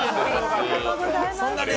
ありがとうございます。